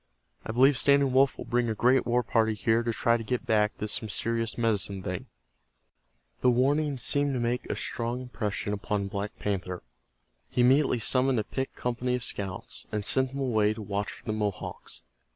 I believe Standing Wolf will bring a great war party here to try to get back this mysterious Medicine Thing." The warning seemed to make a strong impression upon Black Panther. He immediately summoned a picked company of scouts, and sent them away to watch for the Mohawks.